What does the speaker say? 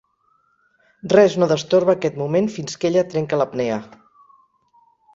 Res no destorba aquest moment fins que ella trenca l'apnea.